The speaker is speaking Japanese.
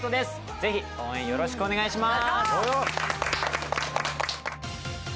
ぜひ応援よろしくお願いします。